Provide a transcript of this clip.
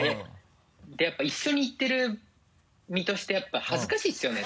でやっぱ一緒に行ってる身としてやっぱ恥ずかしいですよね